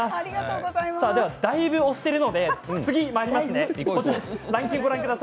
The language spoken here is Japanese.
だいぶ押しているので次まいります。